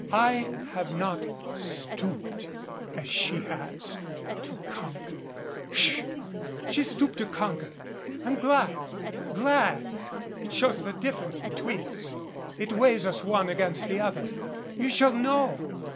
I have not stooped as she has to con quer." "Sh i" "She stooped to conquer. I'm glad glad it shows the difference between us. It weighs us one against the other. You shall know.